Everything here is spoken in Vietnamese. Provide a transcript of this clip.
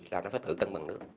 là nó phải tự cân bằng được